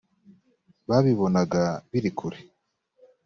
babibonaga biri kure